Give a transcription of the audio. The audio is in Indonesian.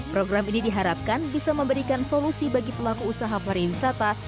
program ini diharapkan bisa memberikan solusi bagi pelaku usaha pariwisata